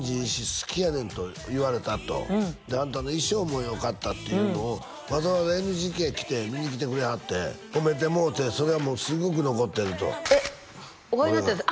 「好きやねん」と言われたとで「あんたの衣装もよかった」っていうのをわざわざＮＧＫ来て見に来てくれはって褒めてもろうてそれはもうすごく残ってるとえっお会いになったんです？